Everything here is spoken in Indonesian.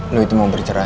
lo itu mau bercerai